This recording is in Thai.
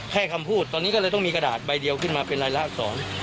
แค่คำพูดตอนนี้ก็เลยต้องมีกระดาษใบเดียวขึ้นมาเป็นรายละอักษร